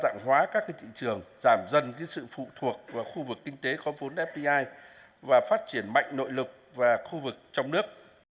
đa dạng hóa các thị trường giảm dần sự phụ thuộc vào khu vực kinh tế có vốn fdi và phát triển mạnh nội lực và khu vực trong nước